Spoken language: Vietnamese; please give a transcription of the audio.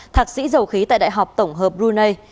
thạc sĩ dầu khí tại đại học tổng hợp brunei